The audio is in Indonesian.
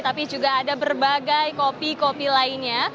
tapi juga ada berbagai kopi kopi lainnya